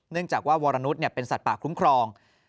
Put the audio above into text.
จากว่าวรนุษย์เป็นสัตว์ป่าคุ้มครอง